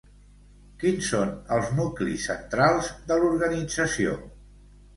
Quins són els nuclis centrals de l'organització?